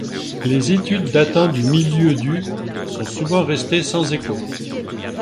Les étudesdatant du milieu du sont souvent restées sans écho.